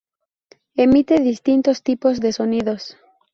Emite distintos tipos de sonidos.